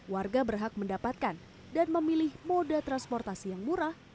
warga berhak mendapatkan dan memilih moda transportasi yang murah